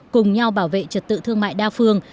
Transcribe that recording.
cùng nhau bảo vệ trật tự thương mại đa phương